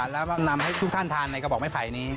แล้วก็นำให้ทุกท่านทานในกระบอกไม้ไผ่นี้